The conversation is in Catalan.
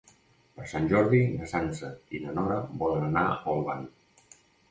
Per Sant Jordi na Sança i na Nora volen anar a Olvan.